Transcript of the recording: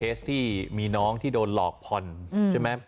เทสที่มีน้องที่โดนหลอกผ่นใช่มั้ย